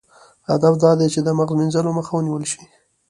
هدف دا دی چې د مغز مینځلو مخه ونیول شي.